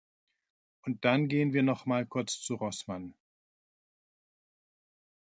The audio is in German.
Und dann gehen wir noch mal kurz zu Rossmann.